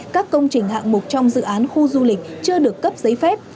các công trình hạng mục trong dự án khu du lịch chưa được cấp giấy phép